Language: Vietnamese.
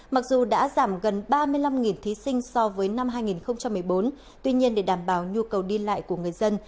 mặc dù đã giảm gần ba mươi năm thí sinh so với năm hai nghìn một mươi bốn tuy nhiên để đảm bảo nhu cầu đi lại của người dân